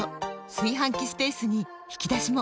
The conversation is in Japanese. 炊飯器スペースに引き出しも！